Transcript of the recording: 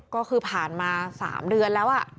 ก็คือผ่านมา๓เดือนแล้ว